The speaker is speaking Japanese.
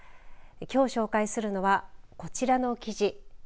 きょう紹介するのはこちらの記事。